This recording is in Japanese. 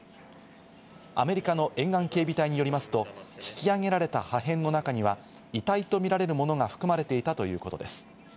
アメリカの沿岸警備隊によりますと、引き揚げられた破片の中には遺体とみられるものが含まれていたということです。